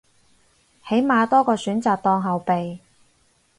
起碼多個選擇當後備